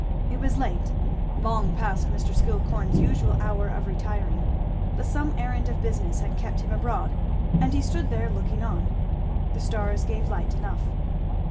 It was late, long past Mr. Skillcorn's usual hour of retiring, but some errand of business had kept him abroad and he stood there looking on. The stars gave light enough.